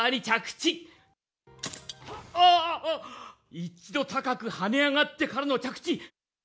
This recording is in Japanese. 一度高く跳ね上がってからの着地。